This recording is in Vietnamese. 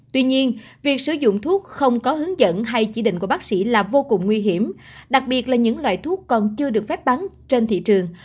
tuy nhiên việc sử dụng thuốc không có hướng dẫn hay chỉ định của bác sĩ là vô cùng nguy hiểm đặc biệt là những loại thuốc còn chưa được phép bắn trên thị trường